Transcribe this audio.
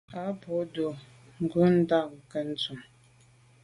A bwô ndù be ghù ndà ke ndume.